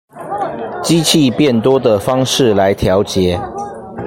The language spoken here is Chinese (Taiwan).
機器變多的方式來調節